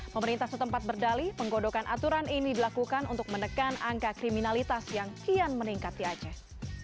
pemerintah setempat berdali penggodokan aturan ini dilakukan untuk menekan angka kriminalitas yang kian meningkat di aceh